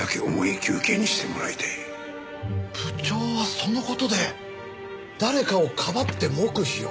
部長はその事で誰かをかばって黙秘を？